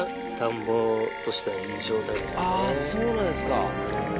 あぁそうなんですか。